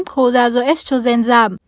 khô da do estrogen giảm